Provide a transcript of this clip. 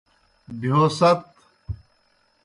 بہیو ست۔